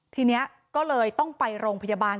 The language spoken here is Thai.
ทีนี้ก็เลยต้องไปโรงพยาบาล